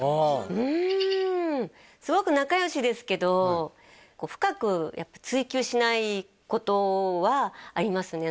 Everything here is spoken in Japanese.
うんすごく仲良しですけど深く追及しないことはありますね